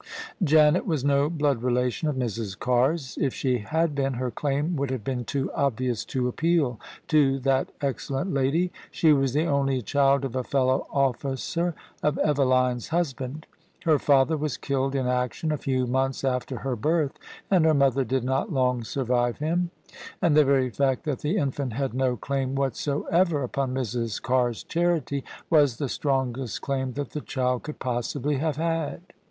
Janet was no blood relation of Mrs.' Carr's: if she had been, her claim would have been too obvious to appeal to that excellent lady. She was the only child of a fellow officer of Eveline's husband: her father was killed in action a few months after her birth, and her mother did not long survive him ; and the very fact that the infant had no daim whatsoever upon Mrs. Carr's charity, was the strongest claim that the child could possibly have had.